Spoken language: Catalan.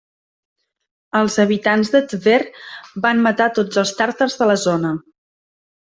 Els habitants de Tver van matar tots els tàrtars de la zona.